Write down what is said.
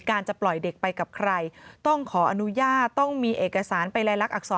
จะปล่อยเด็กไปกับใครต้องขออนุญาตต้องมีเอกสารไปลายลักษร